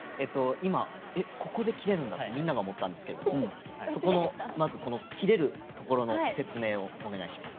今ってみんなが思ったんですけどもそこのまずこの切れるところの説明をお願いします。